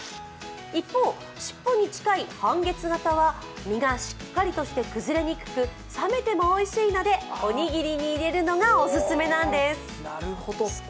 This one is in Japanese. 一方、尻尾に近い半月形は身がしっかりとして崩れにくく冷めてもおいしいのでおにぎりに入れるのがお勧めなんです。